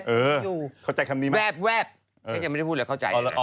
เออเข้าใจคำนี้ไหมแวบแกยังไม่ได้พูดหรอกเข้าใจไหม